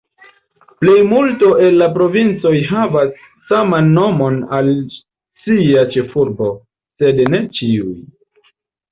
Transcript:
Plejmulto el la provincoj havas saman nomon al sia ĉefurbo, sed ne ĉiuj.